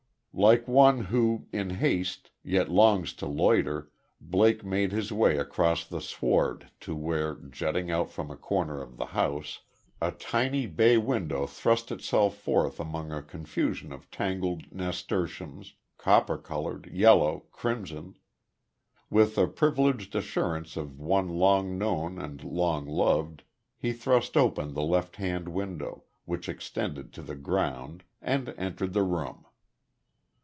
Like one who, in haste, yet longs to loiter Blake made his way across the sward to where, jutting out from a corner of the house, a tiny bay window thrust itself forth among a confusion of tangled nasturtiums, copper colored, yellow, crimson son. With the privileged assurance of one long known and long loved, he thrust open the left hand window, which extended to the ground, and entered the room.